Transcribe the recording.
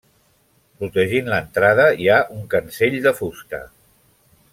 Protegint l'entrada hi ha un cancell de fusta.